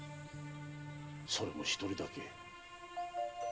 それも一人だけ。